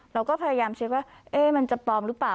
เราก็พยายามเช็คว่ามันจะปลอมหรือเปล่า